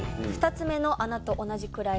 ２つ目の穴と同じくらい。